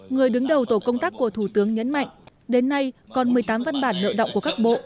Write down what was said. người đứng đầu tổ công tác của thủ tướng nhấn mạnh đến nay còn một mươi tám văn bản nợ động của các bộ